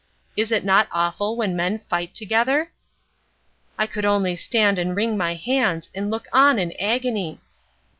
Is it not awful when men fight together? I could only stand and wring my hands and look on in agony!